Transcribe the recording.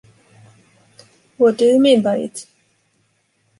What do you mean by it?